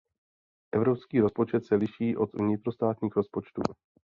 Evropský rozpočet se liší od vnitrostátních rozpočtů.